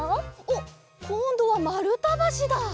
おっこんどはまるたばしだ。